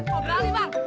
boleh beli bang